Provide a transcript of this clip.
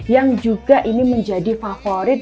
yang juga ini menjadi favorit